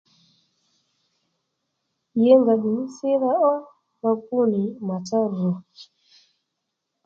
Yěngà ddù mí sídha ó ma gbú nì màtsá rù